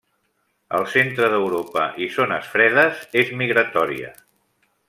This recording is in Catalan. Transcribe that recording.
Al centre d'Europa i zones fredes és migratòria.